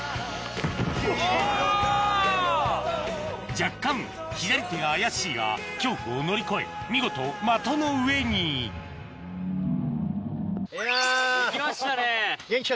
若干左手が怪しいが恐怖を乗り越え見事的の上にいや元気か？